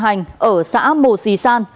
hành ở xã mồ sì san